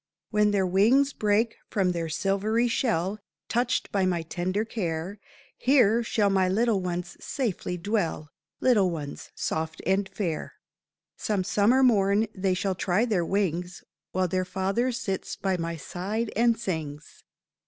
"When their wings break from their silvery shell, Touched by my tender care, Here shall my little ones safely dwell, Little ones soft and fair; Some summer morn they shall try their wings While their father sits by my side and sings."